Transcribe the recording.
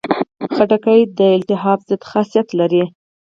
خټکی د التهاب ضد خاصیت لري.